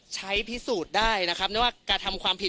ใช้พิสูจน์ได้นะครับไม่ว่ากดรรมความผิดหรือไม่กดรรมความผิด